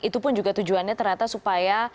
itu pun juga tujuannya ternyata supaya